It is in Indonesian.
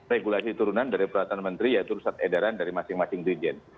regulasi turunan dari peraturan menteri yaitu surat edaran dari masing masing dirjen